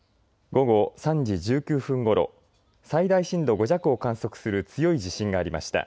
午後３時１９分ごろ、最大震度５弱を観測する強い地震がありました。